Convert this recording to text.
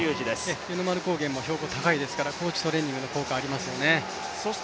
高原も標高が高いですから高地トレーニングの効果がありますよね。